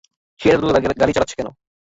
সে এতো দ্রুত গাড়ি চালাচ্ছে কেন?